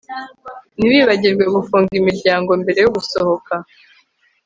Ntiwibagirwe gufunga imiryango mbere yo gusohoka